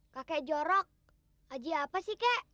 kakek jorok haji apa sih kek